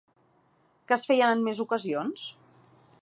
Que es feien en més ocasions?